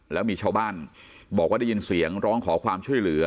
แล้วมีชาวบ้านบอกว่าได้ยินเสียงร้องขอความช่วยเหลือ